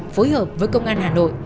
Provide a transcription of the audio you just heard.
phối hợp với công an hà nội